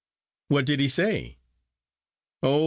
"What did he say?" "Oh!